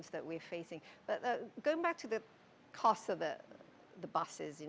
tapi berbalik lagi dengan harga bus bus biasa plus bus elektrik